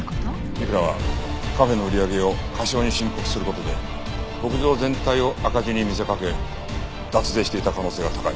三倉はカフェの売り上げを過少に申告する事で牧場全体を赤字に見せ掛け脱税していた可能性が高い。